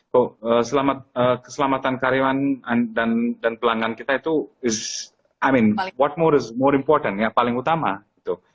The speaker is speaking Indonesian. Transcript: kok keselamatan karyawan dan pelanggan kita itu is amin what more is more important ya paling utama gitu